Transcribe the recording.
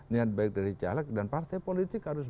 niat baik dari caleg dan partai politik harus